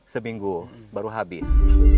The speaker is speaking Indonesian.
seminggu baru habis